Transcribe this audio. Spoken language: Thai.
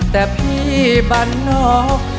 แต่พี่บันนอก